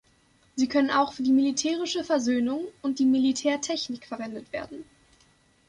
Sie können auch für die militärische Versöhnung und die Militärtechnik verwendet werden.